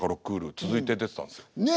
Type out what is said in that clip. クール続いて出てたんですよ。